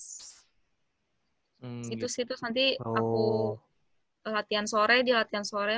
situ situ nanti aku latihan sore dia latihan sore